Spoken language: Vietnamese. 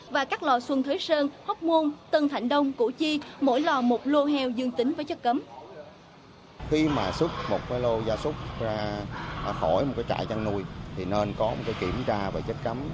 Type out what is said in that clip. và các lò xuân thới sơn hóc môn tân thạnh đông củ chi mỗi lò một lô heo dương tính với chất cấm